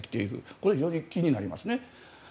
これは非常に気になります。